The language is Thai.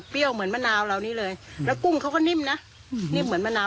เปรี้ยวมากเฉพาะ